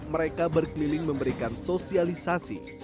mereka berkeliling memberikan sosialisasi